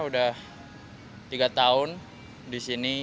udah tiga tahun disini